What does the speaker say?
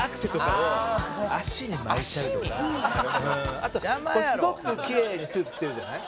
あとすごくきれいにスーツ着てるじゃない？